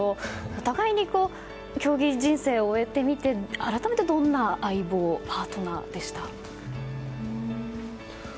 お互いに競技人生を終えてみて改めてどんな相棒パートナーでした？